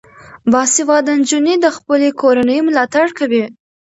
باسواده نجونې د خپلې کورنۍ ملاتړ کوي.